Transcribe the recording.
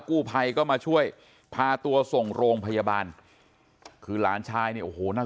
กู้ภัยก็มาช่วยพาตัวส่งโรงพยาบาลคือหลานชายเนี่ยโอ้โหนั่ง